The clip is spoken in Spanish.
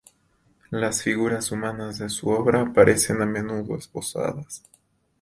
Las figuras humanas de su obra aparecen a menudo esbozadas.